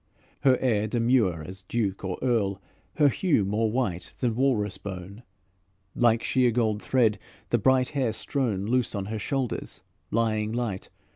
Her air demure as duke or earl, Her hue more white than walrus bone; Like sheer gold thread the bright hair strown Loose on her shoulders, lying light.